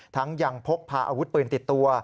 ทั้งยังพกพาอาวุธปืนติดตัว